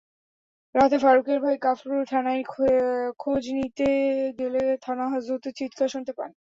রাতে ফারুকের ভাই কাফরুল থানায় খোঁজ নিতে গেলে থানাহাজতে চিৎকার শুনতে পান।